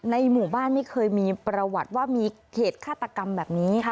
ในหมู่บ้านไม่เคยมีประวัติว่ามีเหตุฆาตกรรมแบบนี้